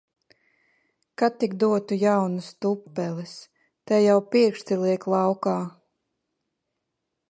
Ka tik dotu jaunas tupeles! Te jau pirksti liek laukā.